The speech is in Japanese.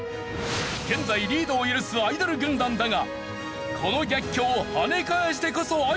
現在リードを許すアイドル軍団だがこの逆境をはね返してこそアイドル！